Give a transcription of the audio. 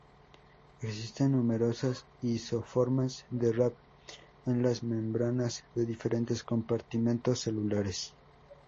Existen numerosas isoformas de Rab en las membranas de diferentes compartimentos celulares.